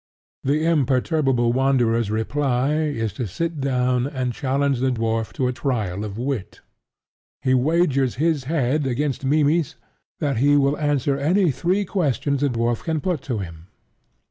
The imperturbable Wanderer's reply is to sit down and challenge the dwarf to a trial of wit. He wagers his head against Mimmy's that he will answer any three questions the dwarf can put to him.